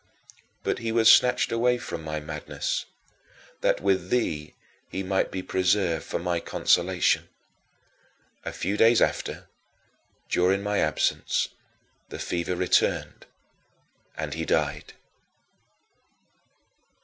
But he was snatched away from my madness, that with thee he might be preserved for my consolation. A few days after, during my absence, the fever returned and he died.